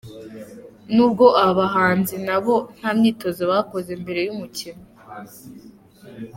Nubwo abahanzi nabo ntamyitozo bakoze mbere yumukino.